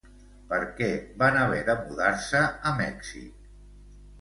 Per què van haver de mudar-se a Mèxic?